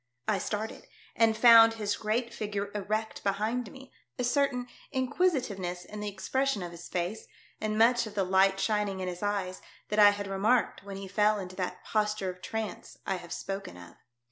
I started, and found his ereat fip'ure erect IMOGENE SAYS SHE WILL TRUST ME. lOg behind me, a certain inquisitiveness in the expression of his face, and much of the light shining in his eyes that I had remarked when he fell into that posture of trance I have spoken of.